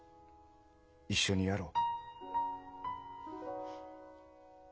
一緒にやろう。